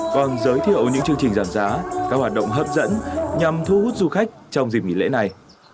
còn giới thiệu những chương trình giảm giá các hoạt động hấp dẫn nhằm thu hút du khách trong dịp nghỉ lễ này